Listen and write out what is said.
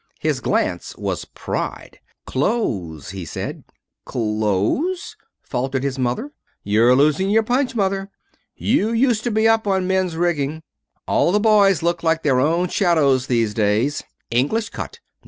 His glance was pride. "Clothes," he said. "Clothes?" faltered his mother. "You're losing your punch, Mother? You used to be up on men's rigging. All the boys look like their own shadows these days. English cut.